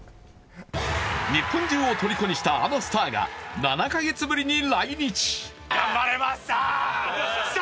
日本中をとりこにしたあのスターが７か月ぶりに来日。